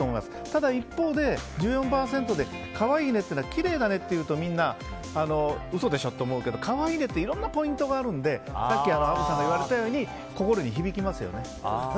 ただ一方で、１４％でかわいいねっていうのはきれいだねって言うとみんな、嘘でしょって思うけどかわいいねっていろんなポイントがあるのでさっきアブさんが言われたように心に響きますよね。